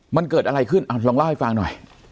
มันเกิดอะไรขึ้นลองเล่าให้ฟังหน่อย